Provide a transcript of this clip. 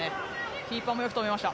キーパーもよく止めました。